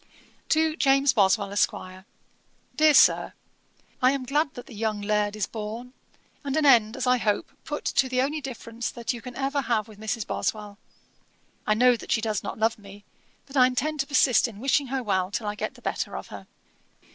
'TO JAMES BOSWELL, ESQ. 'DEAR SIR, 'I am glad that the young Laird is born, and an end, as I hope, put to the only difference that you can ever have with Mrs. Boswell. I know that she does not love me; but I intend to persist in wishing her well till I get the better of her.